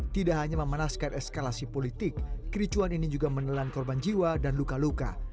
tidak hanya memanaskan eskalasi politik kericuan ini juga menelan korban jiwa dan luka luka